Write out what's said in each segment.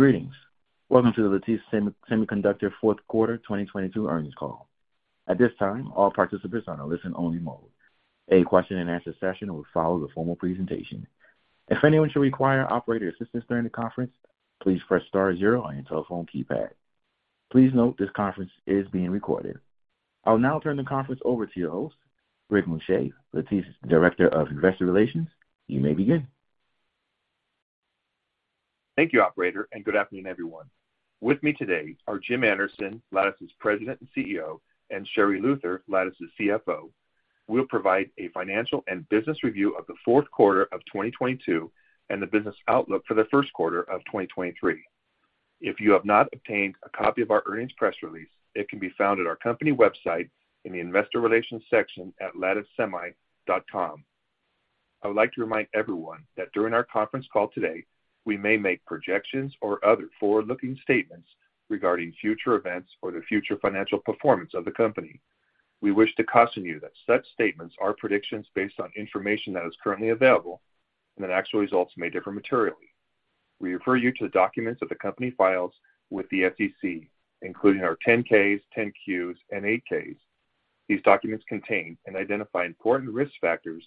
Greetings. Welcome to the Lattice Semiconductor fourth quarter 2022 earnings call. At this time, all participants are on a listen-only mode. A question and answer session will follow the formal presentation. If anyone should require operator assistance during the conference, please press star zero on your telephone keypad. Please note this conference is being recorded. I'll now turn the conference over to your host, Rick Muscha, Lattice Director of Investor Relations. You may begin. Thank you, operator, and good afternoon, everyone. With me today are Jim Anderson, Lattice's President and CEO, and Sherri Luther, Lattice's CFO, will provide a financial and business review of the fourth quarter of 2022 and the business outlook for the first quarter of 2023. If you have not obtained a copy of our earnings press release, it can be found at our company website in the investor relations section at latticesemi.com. I would like to remind everyone that during our conference call today, we may make projections or other forward-looking statements regarding future events or the future financial performance of the company. We wish to caution you that such statements are predictions based on information that is currently available and that actual results may differ materially. We refer you to the documents that the company files with the SEC, including our 10-Ks, 10-Qs, and 8-Ks. These documents contain and identify important risk factors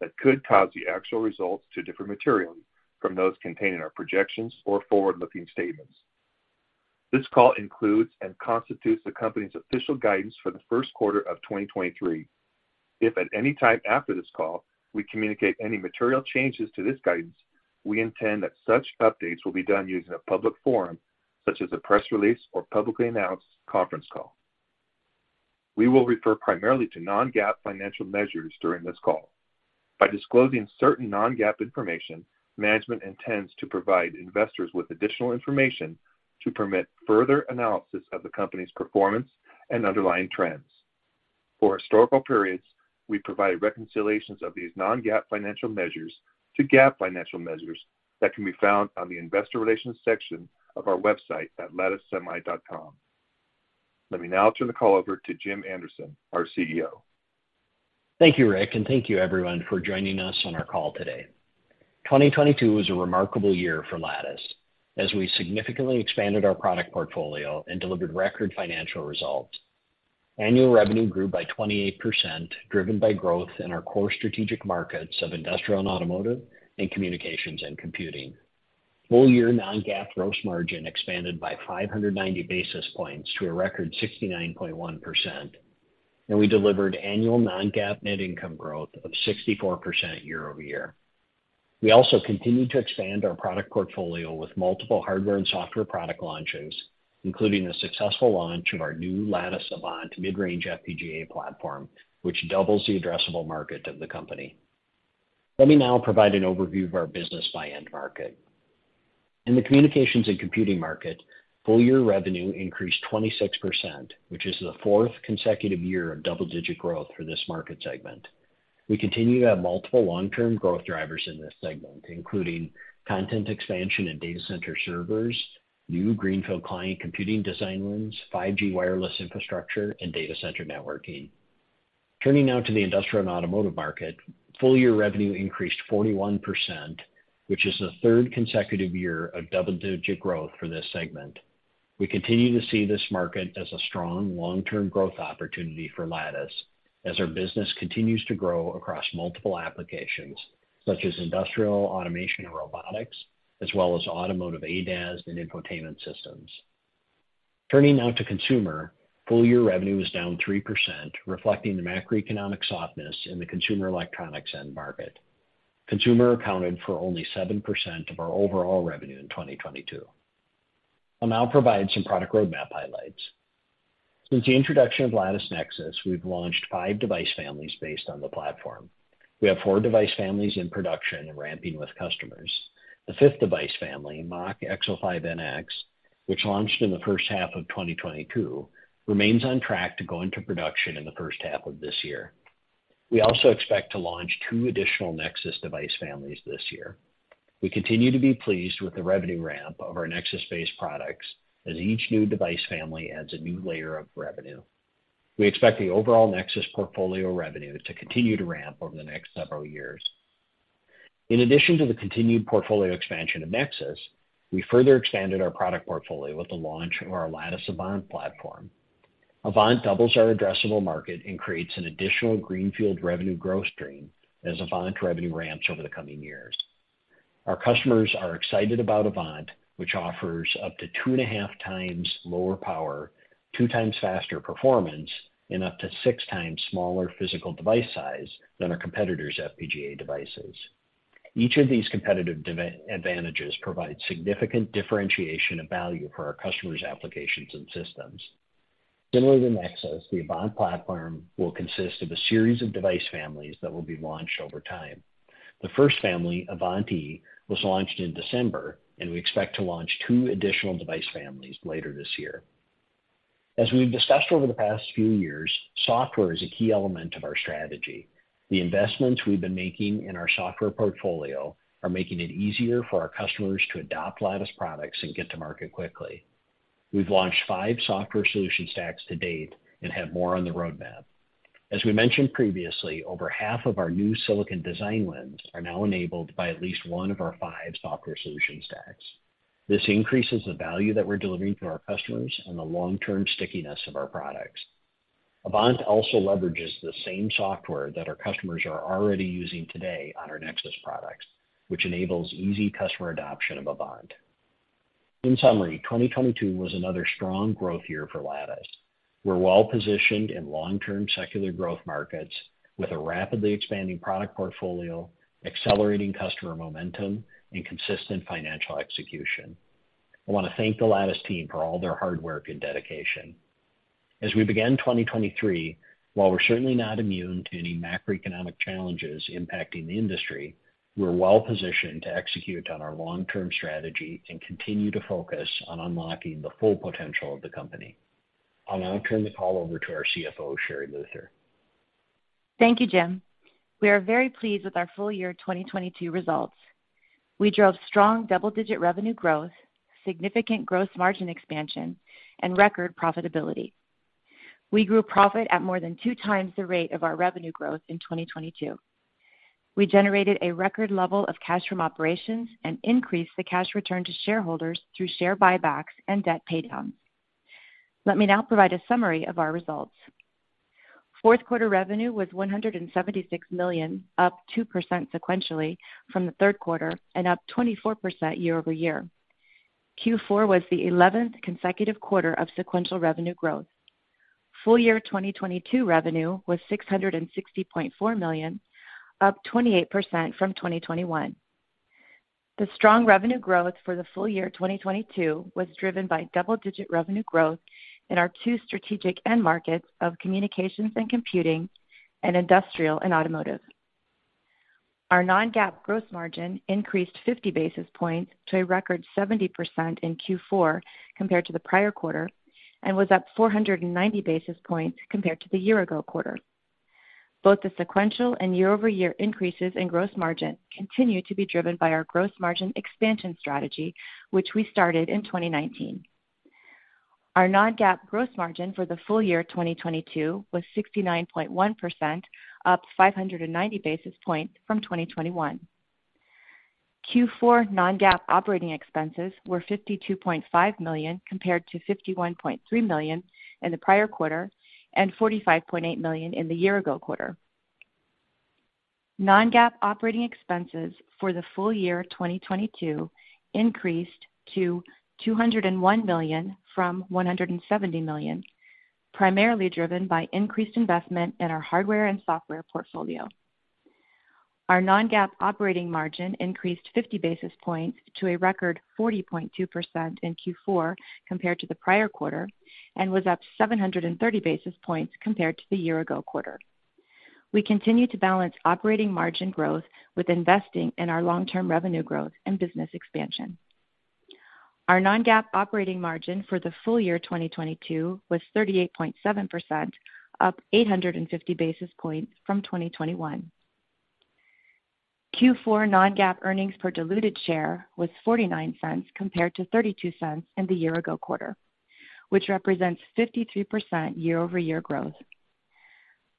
that could cause the actual results to differ materially from those contained in our projections or forward-looking statements. This call includes and constitutes the company's official guidance for the first quarter of 2023. If at any time after this call we communicate any material changes to this guidance, we intend that such updates will be done using a public forum such as a press release or publicly announced conference call. We will refer primarily to non-GAAP financial measures during this call. By disclosing certain non-GAAP information, management intends to provide investors with additional information to permit further analysis of the company's performance and underlying trends. For historical periods, we provide reconciliations of these non-GAAP financial measures to GAAP financial measures that can be found on the investor relations section of our website at latticesemi.com. Let me now turn the call over to Jim Anderson, our CEO. Thank you, Rick, and thank you everyone for joining us on our call today. 2022 was a remarkable year for Lattice as we significantly expanded our product portfolio and delivered record financial results. Annual revenue grew by 28%, driven by growth in our core strategic markets of industrial and automotive and communications and computing. Full year non-GAAP gross margin expanded by 590 basis points to a record 69.1%, and we delivered annual non-GAAP net income growth of 64% year-over-year. We also continued to expand our product portfolio with multiple hardware and software product launches, including the successful launch of our new Lattice Avant mid-range FPGA platform, which doubles the addressable market of the company. Let me now provide an overview of our business by end market. In the communications and computing market, full year revenue increased 26%, which is the fourth consecutive year of double-digit growth for this market segment. We continue to have multiple long-term growth drivers in this segment, including content expansion and data center servers, new greenfield client computing design wins, 5G wireless infrastructure, and data center networking. Turning now to the industrial and automotive market, full year revenue increased 41%, which is the third consecutive year of double-digit growth for this segment. We continue to see this market as a strong long-term growth opportunity for Lattice as our business continues to grow across multiple applications, such as industrial automation and robotics, as well as automotive ADAS and infotainment systems. Turning now to consumer, full year revenue was down 3%, reflecting the macroeconomic softness in the consumer electronics end market. Consumer accounted for only 7% of our overall revenue in 2022. I'll now provide some product roadmap highlights. Since the introduction of Lattice Nexus, we've launched 5 device families based on the platform. We have 4 device families in production and ramping with customers. The fifth device family, MachXO5-NX, which launched in the first half of 2022, remains on track to go into production in the first half of this year. We also expect to launch 2 additional Nexus device families this year. We continue to be pleased with the revenue ramp of our Nexus-based products as each new device family adds a new layer of revenue. We expect the overall Nexus portfolio revenue to continue to ramp over the next several years. In addition to the continued portfolio expansion of Nexus, we further expanded our product portfolio with the launch of our Lattice Avant platform. Avant doubles our addressable market and creates an additional greenfield revenue growth stream as Avant revenue ramps over the coming years. Our customers are excited about Avant, which offers up to 2.5 times lower power, 2 times faster performance, and up to 6 times smaller physical device size than our competitors' FPGA devices. Each of these competitive advantages provide significant differentiation of value for our customers' applications and systems. Similar to Nexus, the Avant platform will consist of a series of device families that will be launched over time. The first family, Avant-E, was launched in December, and we expect to launch 2 additional device families later this year. As we've discussed over the past few years, software is a key element of our strategy. The investments we've been making in our software portfolio are making it easier for our customers to adopt Lattice products and get to market quickly. We've launched five software solution stacks to date and have more on the roadmap. As we mentioned previously, over half of our new silicon design wins are now enabled by at least one of our five software solution stacks. This increases the value that we're delivering to our customers and the long-term stickiness of our products. Avant also leverages the same software that our customers are already using today on our Nexus products, which enables easy customer adoption of Avant. In summary, 2022 was another strong growth year for Lattice. We're well-positioned in long-term secular growth markets with a rapidly expanding product portfolio, accelerating customer momentum, and consistent financial execution. I want to thank the Lattice team for all their hard work and dedication. As we begin 2023, while we're certainly not immune to any macroeconomic challenges impacting the industry, we're well-positioned to execute on our long-term strategy and continue to focus on unlocking the full potential of the company. I'll now turn the call over to our CFO, Sherri Luther. Thank you, Jim. We are very pleased with our full year 2022 results. We drove strong double-digit revenue growth, significant gross margin expansion, and record profitability. We grew profit at more than 2 times the rate of our revenue growth in 2022. We generated a record level of cash from operations and increased the cash return to shareholders through share buybacks and debt paydowns. Let me now provide a summary of our results. Fourth quarter revenue was $176 million, up 2% sequentially from the third quarter and up 24% year-over-year. Q4 was the 11th consecutive quarter of sequential revenue growth. Full year 2022 revenue was $660.4 million, up 28% from 2021. The strong revenue growth for the full year 2022 was driven by double-digit revenue growth in our two strategic end markets of communications and computing and industrial and automotive. Our non-GAAP gross margin increased 50 basis points to a record 70% in Q4 compared to the prior quarter and was up 490 basis points compared to the year-ago quarter. Both the sequential and year-over-year increases in gross margin continue to be driven by our gross margin expansion strategy, which we started in 2019. Our non-GAAP gross margin for the full year 2022 was 69.1%, up 590 basis points from 2021. Q4 non-GAAP operating expenses were $52.5 million compared to $51.3 million in the prior quarter and $45.8 million in the year-ago quarter. Non-GAAP operating expenses for the full year 2022 increased to $201 million from $170 million, primarily driven by increased investment in our hardware and software portfolio. Our non-GAAP operating margin increased 50 basis points to a record 40.2% in Q4 compared to the prior quarter and was up 730 basis points compared to the year-ago quarter. We continue to balance operating margin growth with investing in our long-term revenue growth and business expansion. Our non-GAAP operating margin for the full year 2022 was 38.7%, up 850 basis points from 2021. Q4 non-GAAP earnings per diluted share was $0.49 compared to $0.32 in the year-ago quarter, which represents 52% year-over-year growth.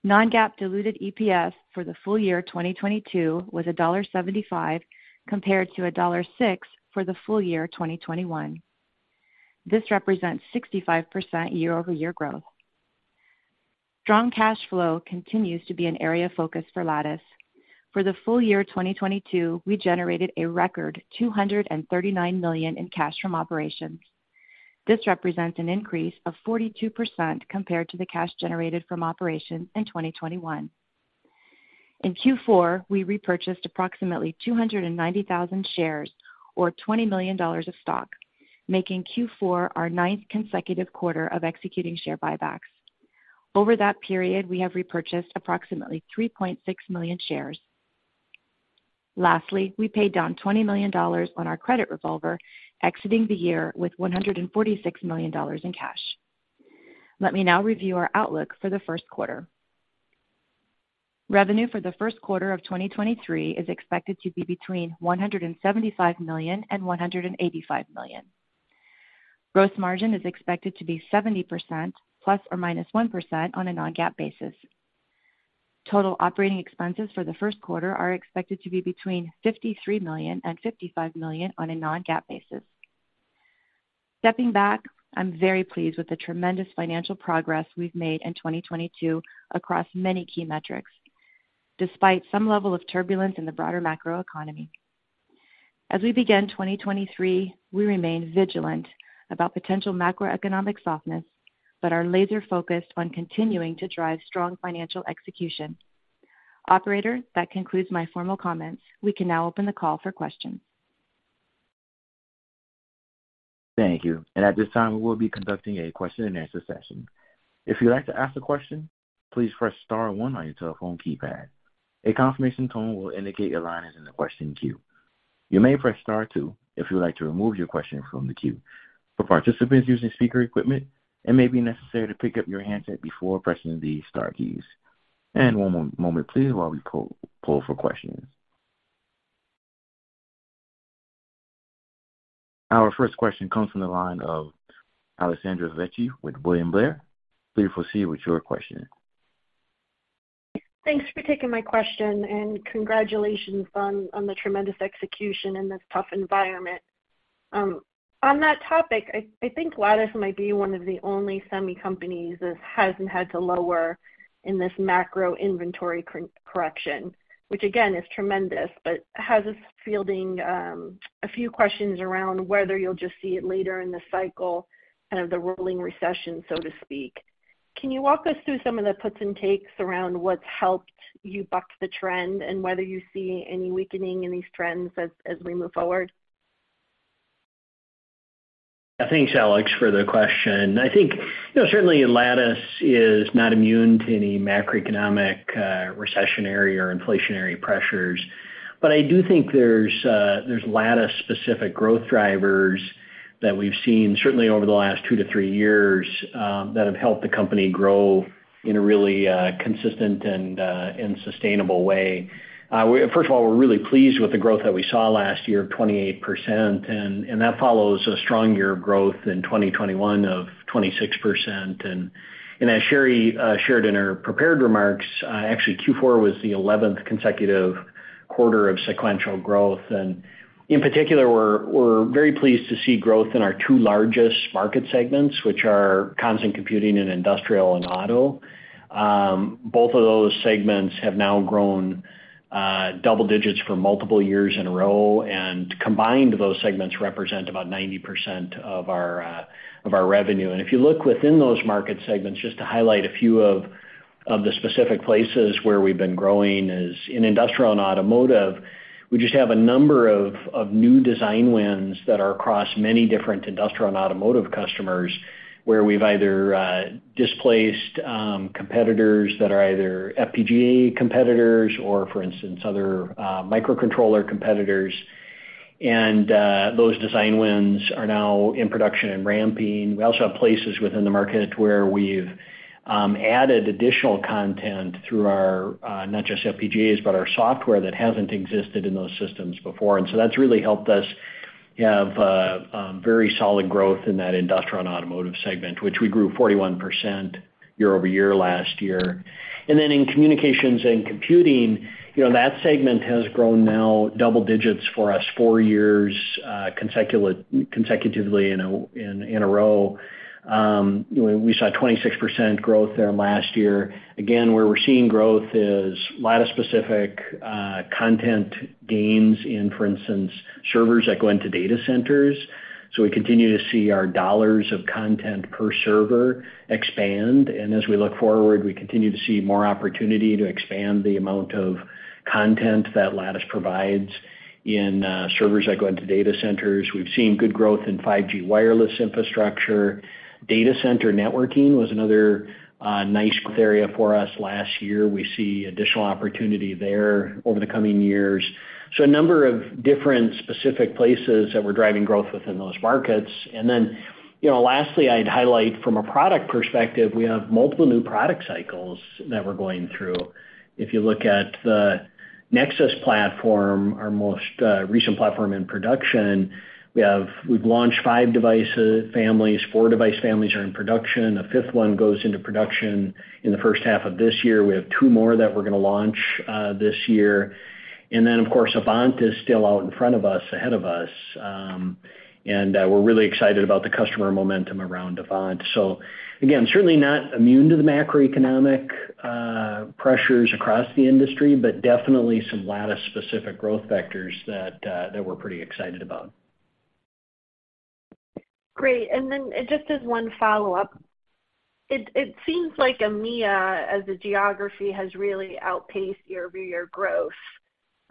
Non-GAAP diluted EPS for the full year 2022 was $1.75 compared to $1.06 for the full year 2021. This represents 65% year-over-year growth. Strong cash flow continues to be an area of focus for Lattice. For the full year 2022, we generated a record $239 million in cash from operations. This represents an increase of 42% compared to the cash generated from operations in 2021. In Q4, we repurchased approximately 290,000 shares or $20 million of stock, making Q4 our ninth consecutive quarter of executing share buybacks. Over that period, we have repurchased approximately 3.6 million shares. Lastly, we paid down $20 million on our credit revolver, exiting the year with $146 million in cash. Let me now review our outlook for the first quarter. Revenue for the first quarter of 2023 is expected to be between $175 million and $185 million. Growth margin is expected to be 70% ±1% on a non-GAAP basis. Total operating expenses for the first quarter are expected to be between $53 million and $55 million on a non-GAAP basis. Stepping back, I'm very pleased with the tremendous financial progress we've made in 2022 across many key metrics, despite some level of turbulence in the broader macro economy. As we begin 2023, we remain vigilant about potential macroeconomic softness, but are laser-focused on continuing to drive strong financial execution. Operator, that concludes my formal comments. We can now open the call for questions. Thank you. At this time, we will be conducting a question and answer session. If you'd like to ask a question, please press star 1 on your telephone keypad. A confirmation tone will indicate your line is in the question queue. You may press star 2 if you would like to remove your question from the queue. For participants using speaker equipment, it may be necessary to pick up your handset before pressing the star keys. One moment, please, while we poll for questions. Our first question comes from the line of Alessandra Vecchi with William Blair. Please proceed with your question. Thanks for taking my question and congratulations on the tremendous execution in this tough environment. On that topic, I think Lattice might be one of the only semi companies that hasn't had to lower in this macro inventory correction, which again is tremendous, but has us fielding a few questions around whether you'll just see it later in the cycle, kind of the rolling recession, so to speak. Can you walk us through some of the puts and takes around what's helped you buck the trend, and whether you see any weakening in these trends as we move forward? Thanks, Alessandra, for the question. I think, you know, certainly Lattice is not immune to any macroeconomic recessionary or inflationary pressures. I do think there's Lattice specific growth drivers that we've seen certainly over the last two to three years that have helped the company grow in a really consistent and sustainable way. First of all, we're really pleased with the growth that we saw last year of 28%, and that follows a strong year of growth in 2021 of 26%. As Sherri shared in her prepared remarks, actually Q4 was the 11th consecutive quarter of sequential growth. In particular, we're very pleased to see growth in our two largest market segments, which are comms and computing, and industrial and auto. Both of those segments have now grown double digits for multiple years in a row, and combined, those segments represent about 90% of our revenue. If you look within those market segments, just to highlight a few of the specific places where we've been growing is in industrial and automotive. We just have a number of new design wins that are across many different industrial and automotive customers, where we've either displaced competitors that are either FPGA competitors or for instance, other microcontroller competitors. Those design wins are now in production and ramping. We also have places within the market where we've added additional content through our not just FPGAs, but our software that hasn't existed in those systems before. That's really helped us have very solid growth in that industrial and automotive segment, which we grew 41% year-over-year last year. In communications and computing, you know, that segment has grown now double digits for us four years consecutively in a row. We saw 26% growth there last year. Where we're seeing growth is a lot of specific content gains in, for instance, servers that go into data centers. We continue to see our dollars of content per server expand, and as we look forward, we continue to see more opportunity to expand the amount of content that Lattice provides in servers that go into data centers. We've seen good growth in 5G wireless infrastructure. Data center networking was another nice area for us last year. We see additional opportunity there over the coming years. A number of different specific places that we're driving growth within those markets. Then, you know, lastly, I'd highlight from a product perspective, we have multiple new product cycles that we're going through. If you look at the Nexus platform, our most recent platform in production, we've launched 5 devices, families. 4 device families are in production. A fifth one goes into production in the first half of this year. We have 2 more that we're gonna launch this year. Then of course, Avant is still out in front of us, ahead of us. And we're really excited about the customer momentum around Avant. Again, certainly not immune to the macroeconomic pressures across the industry, but definitely some Lattice specific growth vectors that we're pretty excited about. Great. Just as one follow-up, it seems like EMEA as a geography has really outpaced year-over-year growth.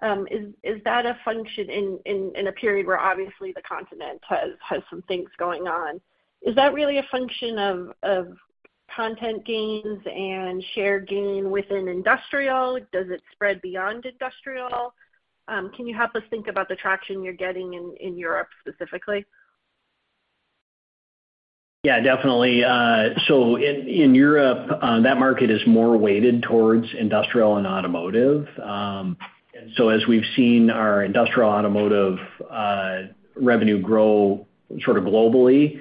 Is that a function in a period where obviously the continent has some things going on? Is that really a function of content gains and share gain within industrial? Does it spread beyond industrial? Can you help us think about the traction you're getting in Europe specifically? Yeah, definitely. In, in Europe, that market is more weighted towards industrial and automotive. As we've seen our industrial automotive, revenue grow sort of globally,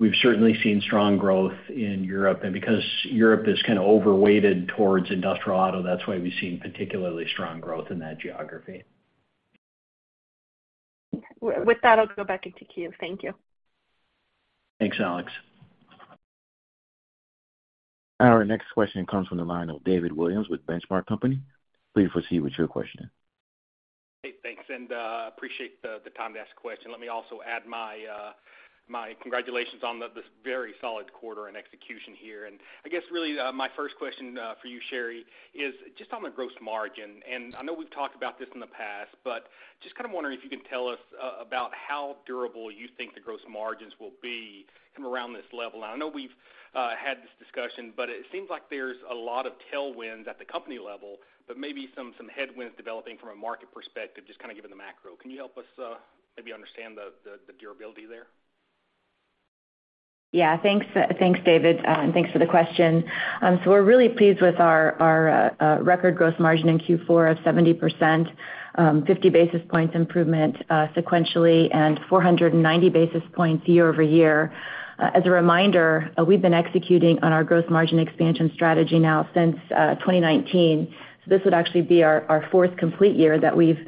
we've certainly seen strong growth in Europe. Because Europe is kinda overweighted towards industrial auto, that's why we've seen particularly strong growth in that geography. With that, I'll go back into queue. Thank you. Thanks, Alessandra. Our next question comes from the line of David Williams with Benchmark Company. Please proceed with your question. Hey, thanks, and appreciate the time to ask a question. Let me also add my congratulations on this very solid quarter and execution here. I guess really, my first question for you, Sherri, is just on the gross margin. I know we've talked about this in the past, but just kinda wondering if you can tell us about how durable you think the gross margins will be kind of around this level. I know we've had this discussion, but it seems like there's a lot of tailwinds at the company level, but maybe some headwinds developing from a market perspective, just kinda given the macro. Can you help us maybe understand the durability there? Thanks. Thanks, David, thanks for the question. We're really pleased with our record gross margin in Q4 of 70%, 50 basis points improvement sequentially and 490 basis points year-over-year. As a reminder, we've been executing on our gross margin expansion strategy now since 2019. This would actually be our fourth complete year that we've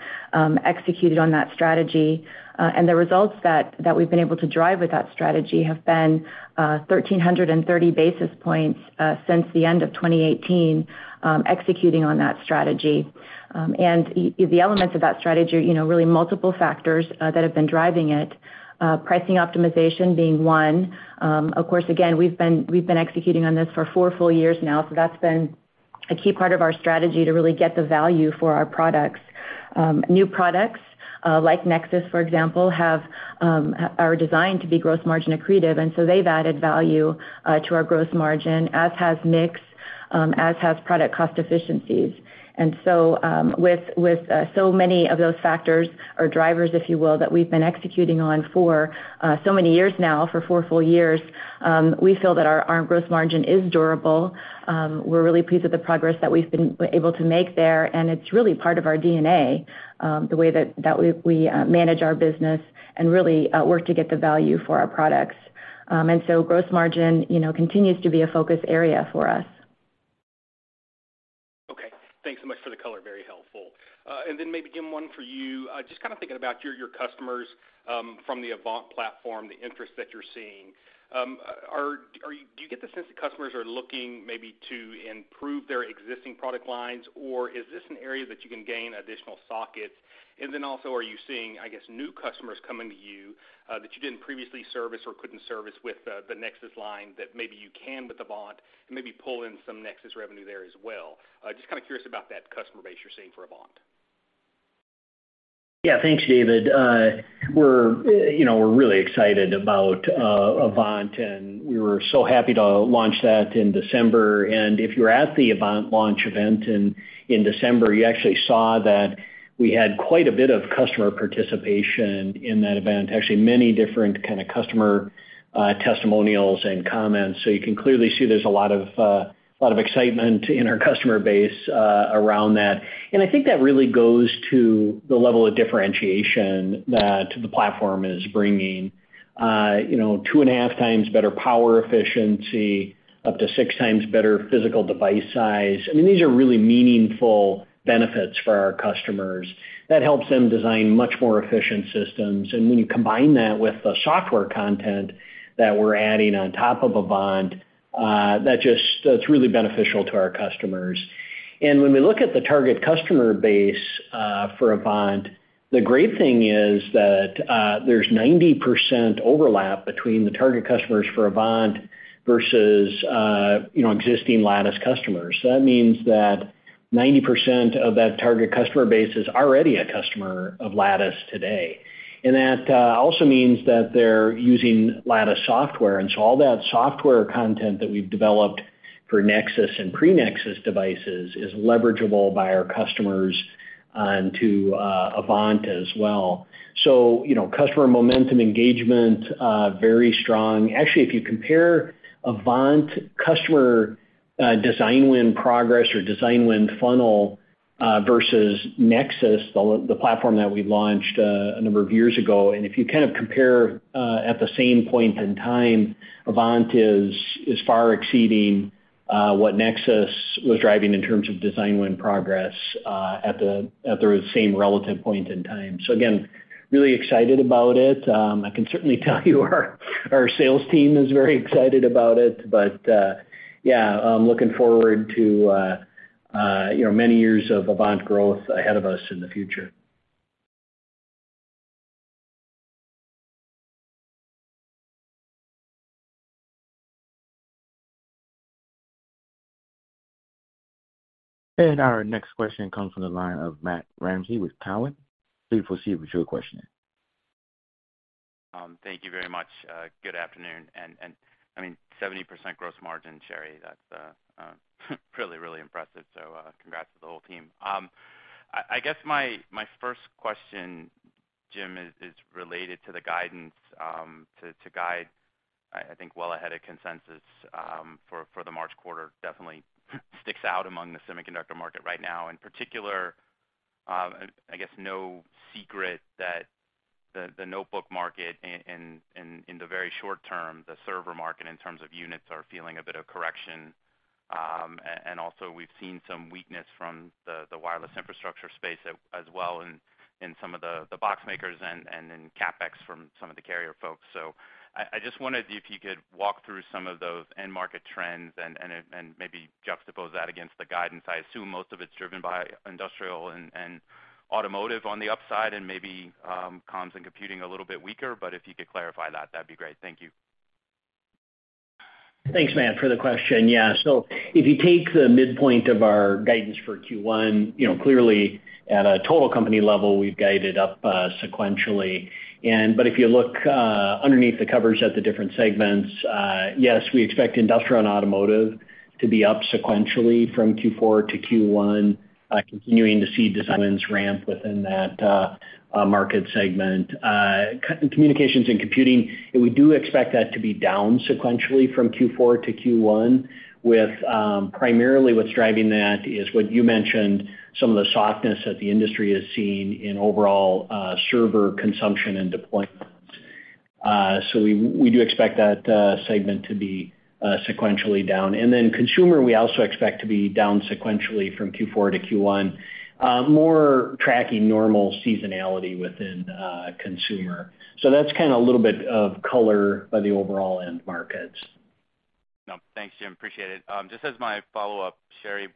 executed on that strategy. The results that we've been able to drive with that strategy have been 1,330 basis points since the end of 2018, executing on that strategy. The elements of that strategy are, you know, really multiple factors that have been driving it, pricing optimization being one. Of course, again, we've been executing on this for four full years now, so that's been a key part of our strategy to really get the value for our products. New products, like Nexus, for example, have are designed to be gross margin accretive, and so they've added value to our gross margin, as has mix, as has product cost efficiencies. With so many of those factors or drivers, if you will, that we've been executing on for so many years now, for four full years, we feel that our gross margin is durable. We're really pleased with the progress that we've been able to make there, and it's really part of our DNA, the way that we manage our business and really, work to get the value for our products. Gross margin, you know, continues to be a focus area for us. Okay. Thanks so much for the color. Very helpful. Maybe, Jim, one for you. Just kind of thinking about your customers, from the Avant platform, the interest that you're seeing. Do you get the sense that customers are looking maybe to improve their existing product lines, or is this an area that you can gain additional sockets? Also, are you seeing, I guess, new customers coming to you, that you didn't previously service or couldn't service with the Nexus line that maybe you can with Avant and maybe pull in some Nexus revenue there as well? Just kind of curious about that customer base you're seeing for Avant. Thanks, David. We're, you know, we're really excited about Avant, and we were so happy to launch that in December. If you were at the Avant launch event in December, you actually saw that we had quite a bit of customer participation in that event, actually many different kind of customer testimonials and comments. You can clearly see there's a lot of a lot of excitement in our customer base around that. I think that really goes to the level of differentiation that the platform is bringing. You know, 2.5 times better power efficiency, up to 6 times better physical device size. I mean, these are really meaningful benefits for our customers. That helps them design much more efficient systems. When you combine that with the software content that we're adding on top of Avant, that's really beneficial to our customers. When we look at the target customer base, for Avant, the great thing is that, there's 90% overlap between the target customers for Avant versus, you know, existing Lattice customers. That means that 90% of that target customer base is already a customer of Lattice today. That also means that they're using Lattice software. All that software content that we've developed for Nexus and pre-Nexus devices is leverageable by our customers onto, Avant as well. You know, customer momentum engagement, very strong. Actually, if you compare Avant customer, design win progress or design win funnel, versus Nexus, the platform that we launched a number of years ago, and if you kind of compare at the same point in time, Avant is far exceeding what Nexus was driving in terms of design win progress at the same relative point in time. Again, really excited about it. I can certainly tell you our sales team is very excited about it. Yeah, I'm looking forward to, you know, many years of Avant growth ahead of us in the future. Our next question comes from the line of Matt Ramsay with Cowen. Please proceed with your question. Thank you very much. Good afternoon. I mean, 70% gross margin, Sherri, that's really, really impressive. Congrats to the whole team. I guess my first question, Jim, is related to the guidance, to guide, I think well ahead of consensus, for the March quarter definitely sticks out among the semiconductor market right now. In particular, I guess no secret that the notebook market in the very short term, the server market in terms of units are feeling a bit of correction. Also we've seen some weakness from the wireless infrastructure space as well in some of the box makers and in CapEx from some of the carrier folks. I just wondered if you could walk through some of those end market trends and maybe juxtapose that against the guidance? I assume most of it's driven by industrial and automotive on the upside and maybe, comms and computing a little bit weaker, but if you could clarify that'd be great. Thank you. Thanks, Matt, for the question. If you take the midpoint of our guidance for Q1, you know, clearly at a total company level, we've guided up sequentially. But if you look underneath the covers at the different segments, yes, we expect industrial and automotive to be up sequentially from Q4 to Q1, continuing to see designs ramp within that market segment. Communications and computing, we do expect that to be down sequentially from Q4 to Q1, with primarily what's driving that is what you mentioned, some of the softness that the industry has seen in overall server consumption and deployment. So we do expect that segment to be sequentially down. Then consumer, we also expect to be down sequentially from Q4 to Q1. More tracking normal seasonality within consumer. That's kinda a little bit of color on the overall end markets. No. Thanks, Jim. Appreciate it. Just as my follow-up, Sherri,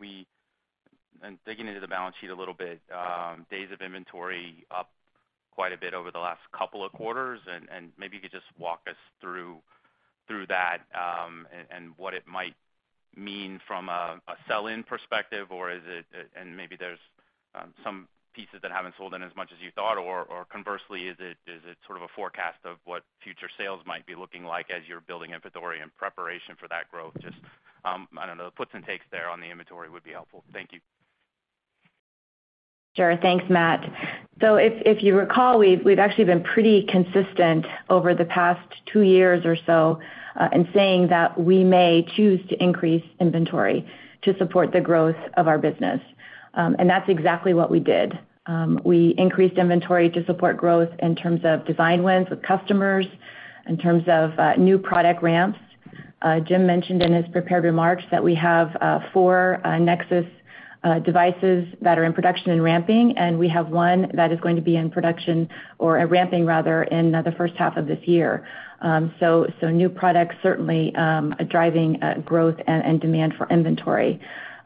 digging into the balance sheet a little bit, days of inventory up quite a bit over the last couple of quarters, and maybe you could just walk us through that, and what it might mean from a sell-in perspective or is it maybe there's some pieces that haven't sold in as much as you thought or conversely, is it sort of a forecast of what future sales might be looking like as you're building inventory in preparation for that growth? Just, I don't know, the puts and takes there on the inventory would be helpful. Thank you. Sure. Thanks, Matt. If you recall, we've actually been pretty consistent over the past two years or so, in saying that we may choose to increase inventory to support the growth of our business. That's exactly what we did. We increased inventory to support growth in terms of design wins with customers, in terms of new product ramps. Jim Anderson mentioned in his prepared remarks that we have 4 Lattice Nexus devices that are in production and ramping, and we have 1 that is going to be in production or ramping rather in the first half of this year. New products certainly driving growth and demand for inventory.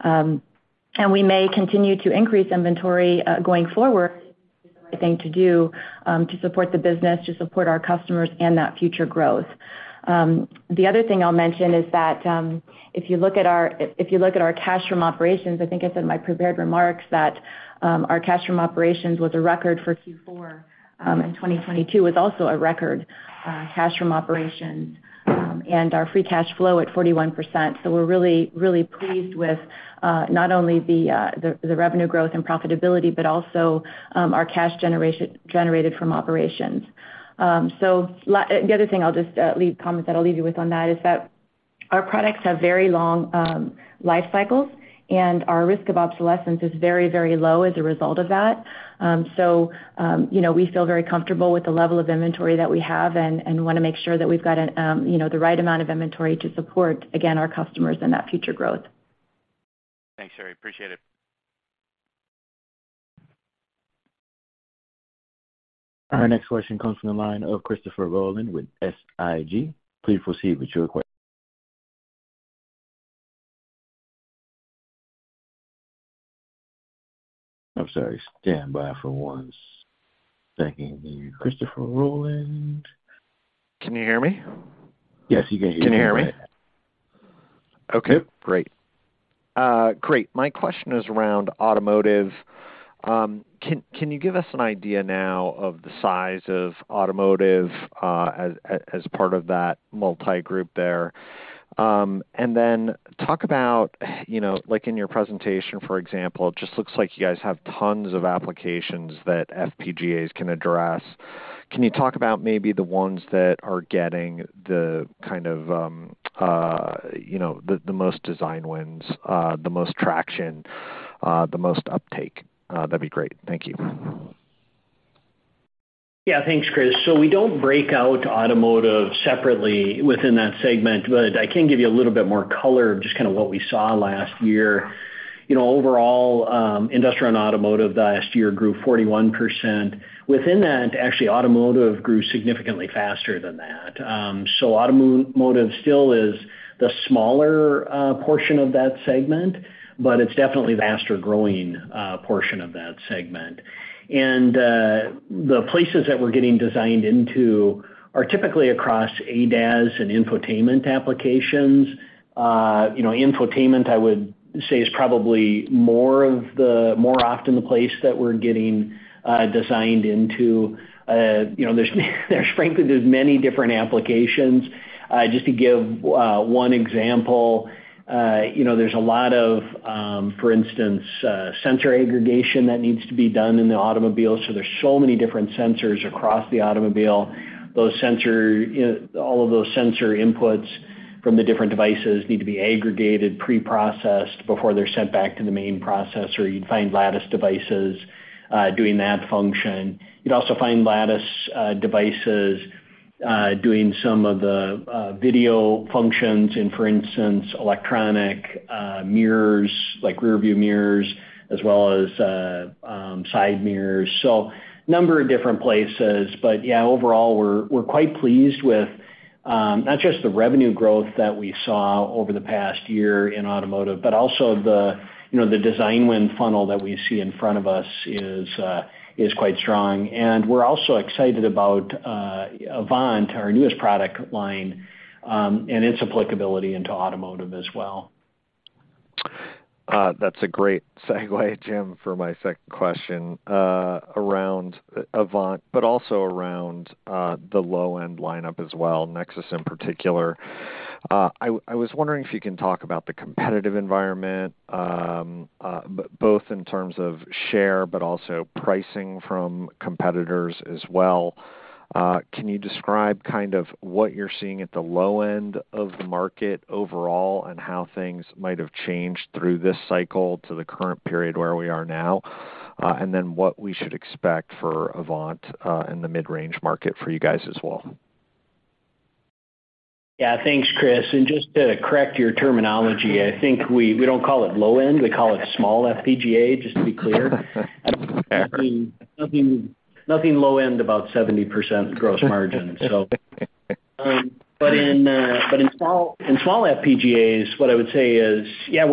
We may continue to increase inventory going forward, the right thing to do, to support the business, to support our customers and that future growth. The other thing I'll mention is that if you look at our cash from operations, I think I said in my prepared remarks that our cash from operations was a record for Q4, and 2022 was also a record cash from operations, and our free cash flow at 41%. We're really, really pleased with not only the revenue growth and profitability, but also our cash generated from operations. The other thing I'll just comment that I'll leave you with on that is that our products have very long life cycles, and our risk of obsolescence is very, very low as a result of that. You know, we feel very comfortable with the level of inventory that we have and wanna make sure that we've got you know, the right amount of inventory to support, again, our customers and that future growth. Thanks, Sherri. Appreciate it. Our next question comes from the line of Christopher Rolland with SIG. Please proceed with your I'm sorry. Stand by for one second, Christopher Rolland. Can you hear me? Yes, we can hear you. Can you hear me? Yep. Okay, great. Great. My question is around automotive. Can you give us an idea now of the size of automotive as part of that multi-group there? Talk about, you know, like in your presentation, for example, it just looks like you guys have tons of applications that FPGAs can address. Can you talk about maybe the ones that are getting the kind of, you know, the most design wins, the most traction, the most uptake? That'd be great. Thank you. Yeah. Thanks, Chris. We don't break out automotive separately within that segment, but I can give you a little bit more color of just kinda what we saw last year. You know, overall, industrial and automotive last year grew 41%. Within that, actually, automotive grew significantly faster than that. Automotive still is the smaller portion of that segment, but it's definitely the faster-growing portion of that segment. The places that we're getting designed into are typically across ADAS and infotainment applications. You know, infotainment, I would say, is probably more often the place that we're getting designed into. You know, there's frankly, many different applications. Just to give one example, you know, there's a lot of, for instance, sensor aggregation that needs to be done in the automobile, so there's so many different sensors across the automobile. All of those sensor inputs from the different devices need to be aggregated, pre-processed before they're sent back to the main processor. You'd find Lattice devices doing that function. You'd also find Lattice devices doing some of the video functions in, for instance, electronic mirrors, like rear view mirrors, as well as side mirrors. Number of different places. Yeah, overall, we're quite pleased with not just the revenue growth that we saw over the past year in automotive, but also the, you know, the design win funnel that we see in front of us is quite strong. We're also excited about Avant, our newest product line, and its applicability into automotive as well. That's a great segue, Jim, for my second question around Avant, but also around the low-end lineup as well, Nexus in particular. I was wondering if you can talk about the competitive environment, both in terms of share, but also pricing from competitors as well. Can you describe kind of what you're seeing at the low end of the market overall and how things might have changed through this cycle to the current period where we are now, and then what we should expect for Avant in the mid-range market for you guys as well? Yeah. Thanks, Chris. Just to correct your terminology, I think we don't call it low-end, we call it small FPGA, just to be clear. Fair. Nothing low-end about 70% gross margin so. In small FPGAs, what I would say is, yeah,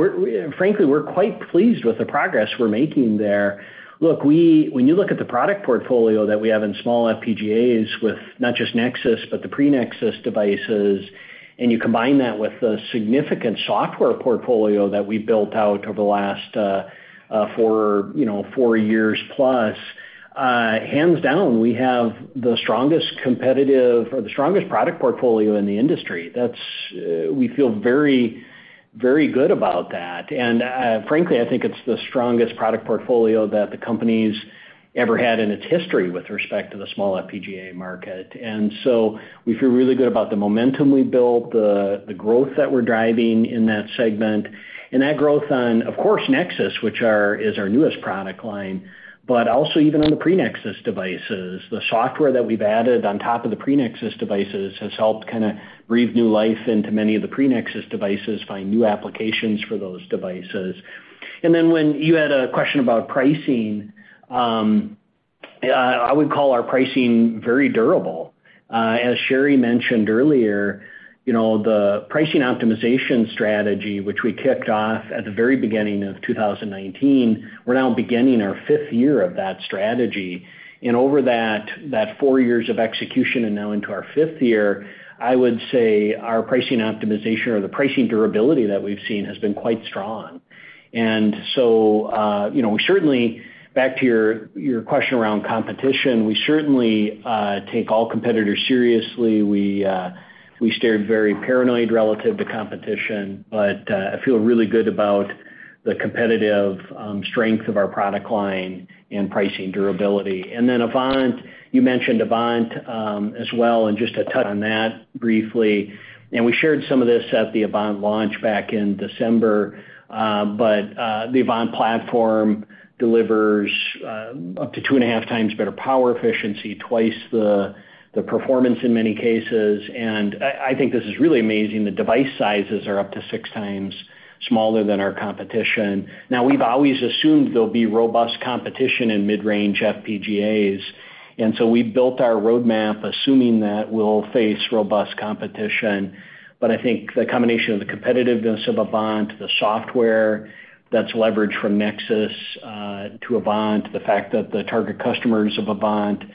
frankly, we're quite pleased with the progress we're making there. Look, when you look at the product portfolio that we have in small FPGAs with not just Nexus but the pre-Nexus devices, and you combine that with the significant software portfolio that we built out over the last, you know, 4 years plus, hands down, we have the strongest competitive or the strongest product portfolio in the industry. We feel very good about that. Frankly, I think it's the strongest product portfolio that the company's ever had in its history with respect to the small FPGA market. We feel really good about the momentum we built, the growth that we're driving in that segment, and that growth on, of course, Nexus, which is our newest product line, but also even on the pre-Nexus devices. The software that we've added on top of the pre-Nexus devices has helped kinda breathe new life into many of the pre-Nexus devices, find new applications for those devices. When you had a question about pricing, I would call our pricing very durable. As Sherri mentioned earlier, you know, the pricing optimization strategy, which we kicked off at the very beginning of 2019, we're now beginning our fifth year of that strategy. Over that 4 years of execution and now into our 5th year, I would say our pricing optimization or the pricing durability that we've seen has been quite strong. You know, certainly back to your question around competition, we certainly take all competitors seriously. We steered very paranoid relative to competition. I feel really good about the competitive strength of our product line and pricing durability. Avant, you mentioned Avant as well, and just to touch on that briefly, we shared some of this at the Avant launch back in December, the Avant platform delivers up to 2.5 times better power efficiency, 2 times the performance in many cases. I think this is really amazing, the device sizes are up to six times smaller than our competition. We've always assumed there'll be robust competition in mid-range FPGAs, and so we built our roadmap assuming that we'll face robust competition. I think the combination of the competitiveness of Avant, the software that's leveraged from Nexus to Avant, the fact that the target customers of Avant are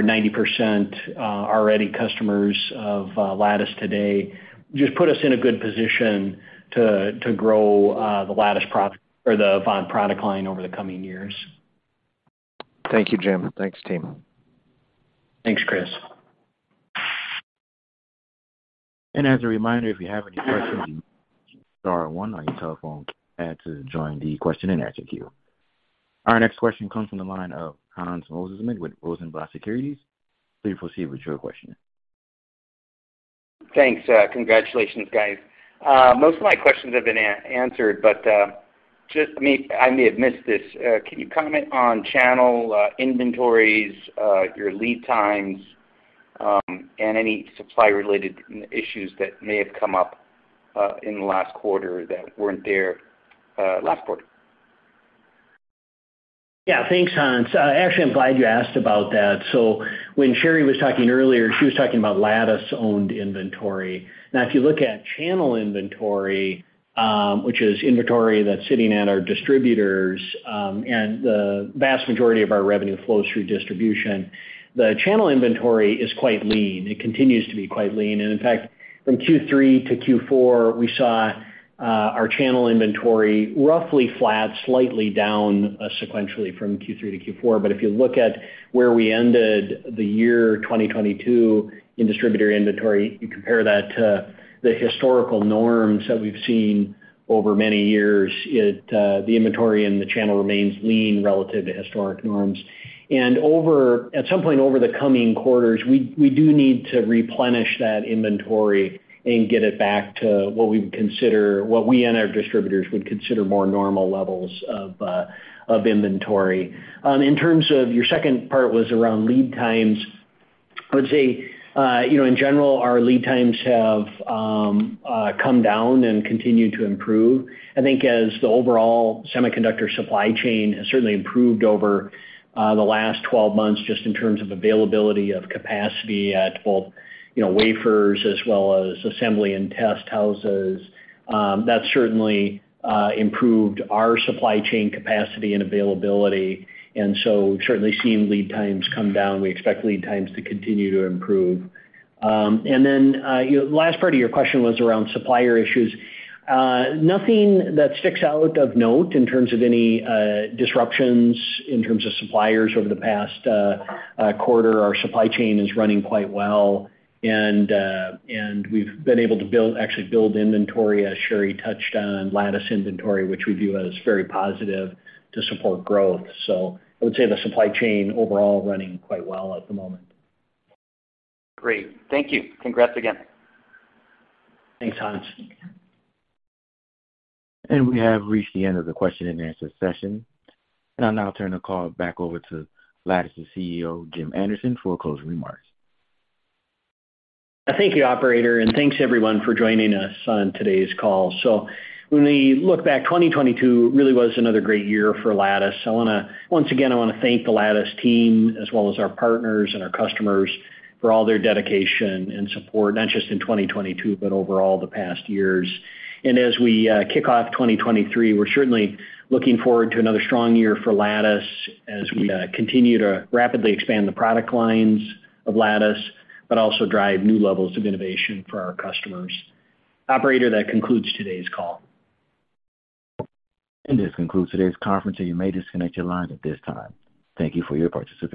90% are already customers of Lattice today, just put us in a good position to grow the Lattice or the Avant product line over the coming years. Thank you, Jim. Thanks, team. Thanks, Chris. As a reminder, if you have any questions, star one on your telephone pad to join the question and answer queue. Our next question comes from the line of Hans Mosesmann with Rosenblatt Securities. Please proceed with your question. Thanks. Congratulations, guys. Most of my questions have been answered, I may have missed this. Can you comment on channel inventories, your lead times, and any supply related issues that may have come up in the last quarter that weren't there last quarter? Yeah, thanks, Hans. Actually, I'm glad you asked about that. When Sherri was talking earlier, she was talking about Lattice-owned inventory. If you look at channel inventory, which is inventory that's sitting at our distributors, and the vast majority of our revenue flows through distribution, the channel inventory is quite lean. It continues to be quite lean. In fact, from Q3 to Q4, we saw our channel inventory roughly flat, slightly down, sequentially from Q3 to Q4. If you look at where we ended the year 2022 in distributor inventory, you compare that to the historical norms that we've seen over many years, it, the inventory and the channel remains lean relative to historic norms. At some point over the coming quarters, we do need to replenish that inventory and get it back to what we would consider, what we and our distributors would consider more normal levels of inventory. In terms of your second part was around lead times. I would say, you know, in general, our lead times have come down and continued to improve. I think as the overall semiconductor supply chain has certainly improved over the last 12 months, just in terms of availability of capacity at both, you know, wafers as well as assembly and test houses, that certainly improved our supply chain capacity and availability. Certainly seeing lead times come down, we expect lead times to continue to improve. Last part of your question was around supplier issues. Nothing that sticks out of note in terms of any disruptions in terms of suppliers over the past quarter. Our supply chain is running quite well, and we've been able to build, actually build inventory, as Sherry touched on Lattice inventory, which we view as very positive to support growth. I would say the supply chain overall running quite well at the moment. Great. Thank you. Congrats again. Thanks, Hans. We have reached the end of the question and answer session. I'll now turn the call back over to Lattice's CEO, Jim Anderson, for closing remarks. Thank you, operator, and thanks everyone for joining us on today's call. When we look back, 2022 really was another great year for Lattice. I want to Once again, I want to thank the Lattice team as well as our partners and our customers for all their dedication and support, not just in 2022, but overall the past years. As we kick off 2023, we're certainly looking forward to another strong year for Lattice as we continue to rapidly expand the product lines of Lattice, but also drive new levels of innovation for our customers. Operator, that concludes today's call. This concludes today's conference, and you may disconnect your lines at this time. Thank you for your participation.